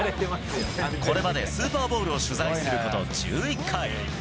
これまでスーパーボウルを取材すること１１回。